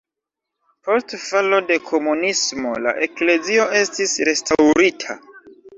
Post falo de komunismo la eklezio estis restaŭrita.